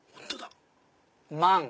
「万」。